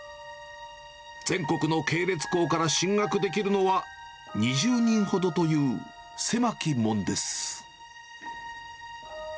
全国の系列校から進学できるのは２０人ほどという狭き門です。